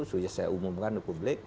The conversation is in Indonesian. saya umumkan ke publik